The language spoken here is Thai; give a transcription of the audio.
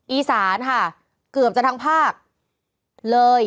อีสานค่ะเกือบจะทั้งภาคเลย